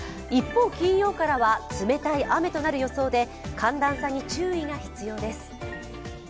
一方、金曜からは冷たい雨となる予想で寒暖差に注意が必要です。